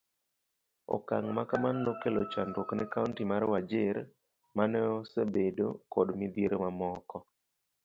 Okang' makamano nokelo chandruok ne Kaunti mar Wajir mane osebedo kod midhiero mamoko.